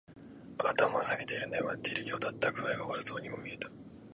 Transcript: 頭を下げている。眠っているようだった。具合が悪そうにも見えた。